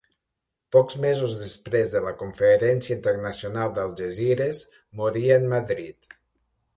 Pocs mesos després de la Conferència Internacional d'Algesires, moria en Madrid.